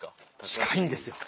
近いんですよ